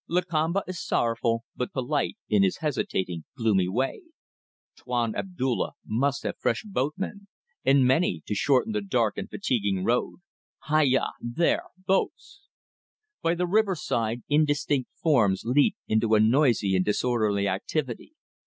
Lakamba is sorrowful but polite, in his hesitating, gloomy way. Tuan Abdulla must have fresh boatmen, and many, to shorten the dark and fatiguing road. Hai ya! There! Boats! By the riverside indistinct forms leap into a noisy and disorderly activity.